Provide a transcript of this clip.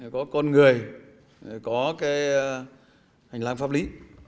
có con người có cái hành lang pháp lý